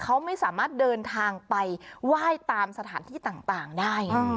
เขาไม่สามารถเดินทางไปไหว้ตามสถานที่ต่างได้